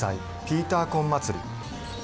ピーターコン祭り。